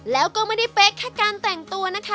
แล้วก็ไม่ได้เป๊กแค่การแต่งตัวนะคะ